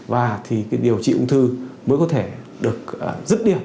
và thì cái điều trị ung thư mới có thể được giúp đỡ